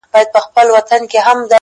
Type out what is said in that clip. صندان د محبت دي په هر واري مخته راسي.